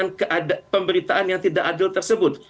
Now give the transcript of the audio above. tapi mereka sudah mati dengan pemberitaan yang tidak adil tersebut